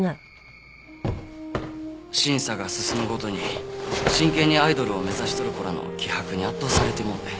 審査が進むごとに真剣にアイドルを目指しとる子らの気迫に圧倒されてもうて。